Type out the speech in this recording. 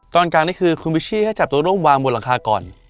ตอนกลางนี่คือคุณวิชชี่ให้จับตัวร่มวางบนหลังคาก่อน